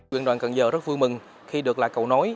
huyện đoàn cần giờ rất vui mừng khi được lại cầu nói